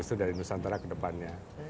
itu dari nusantara ke depannya